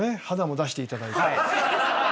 肌も出していただいて。